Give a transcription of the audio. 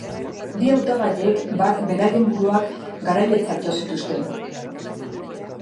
Bi hautagaiek bart beraien buruak garailetzat jo zituzten.